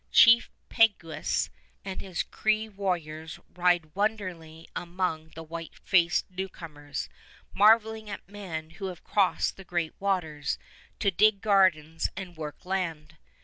Chief Peguis and his Cree warriors ride wonderingly among the white faced newcomers, marveling at men who have crossed the Great Waters "to dig gardens and work land."